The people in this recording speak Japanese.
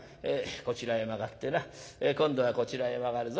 こちらへ曲がってな今度はこちらへ曲がるぞ。